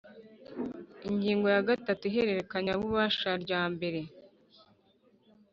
Ingingo ya gatanu Ihererekanya bubasha rya mbere